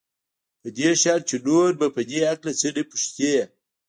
په دې شرط چې نور به په دې هکله څه نه پوښتې.